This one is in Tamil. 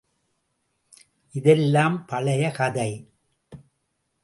இதெல்லாம் பழைய கதை.